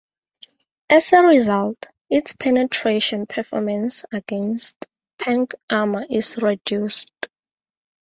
As a result, its penetration performance against tank armor is reduced.